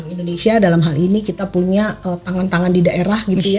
indonesia dalam hal ini kita punya tangan tangan di daerah gitu ya